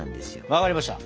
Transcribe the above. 分かりました。